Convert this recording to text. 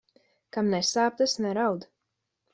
Kam nesāp, tas neraud.